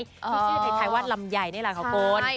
พูดชื่อไทยว่าลำไยเนี่ยละคุณผู้ชม